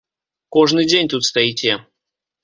Кожны дзень тут стаіце.